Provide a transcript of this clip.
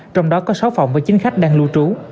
trong đó có sáu phòng với chín khách đang lưu trú